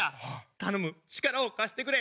頼む力を貸してくれ！